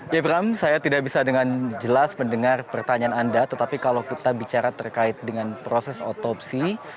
ya bram saya tidak bisa dengan jelas mendengar pertanyaan anda tetapi kalau kita bicara terkait dengan proses otopsi